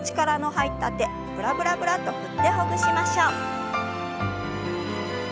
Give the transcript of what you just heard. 力の入った手ブラブラブラッと振ってほぐしましょう。